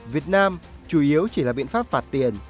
việt nam chủ yếu chỉ là biện pháp phạt tiền